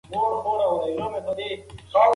لښتې په ډېرې بې وسۍ سره مېږه ولوشله.